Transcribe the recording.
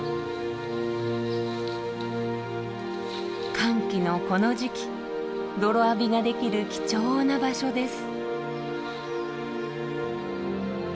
乾季のこの時期泥浴びができる貴重な場所です。